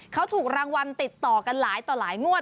เขาถูกรางวัลติดต่อกันหลายต่อหลายงวด